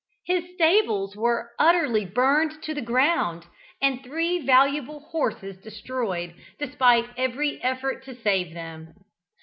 His stables were utterly burned to the ground, and three valuable horses destroyed, despite every effort to save them.